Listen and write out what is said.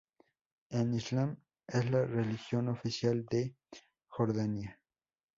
El Islam es la religión oficial de Jordania.